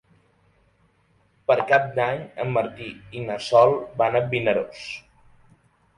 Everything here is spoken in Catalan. Per Cap d'Any en Martí i na Sol van a Vinaròs.